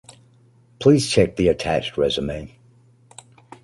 Please check the attached resume.